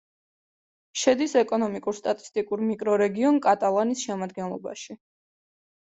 შედის ეკონომიკურ-სტატისტიკურ მიკრორეგიონ კატალანის შემადგენლობაში.